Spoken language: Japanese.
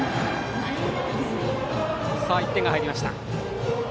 さあ、１点が入りました。